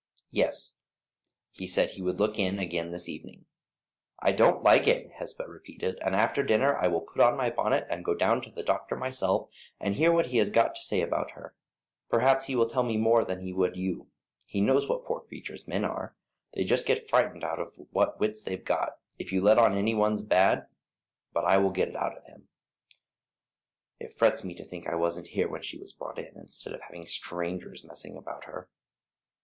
"Yes; he said he would look in again this evening." "I don't like it," Hesba repeated, "and after dinner I will put on my bonnet and go down to the doctor myself and hear what he has got to say about her. Perhaps he will tell me more than he would you; he knows what poor creatures men are. They just get frighted out of what wits they've got, if you let on any one's bad; but I will get it out of him. It frets me to think I wasn't here when she was brought in, instead of having strangers messing about her."